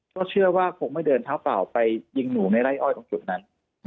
ก็เชื่อว่าคงไม่เดินเท้าเปล่าไปยิงหนูในไร่อ้อยตรงจุดนั้น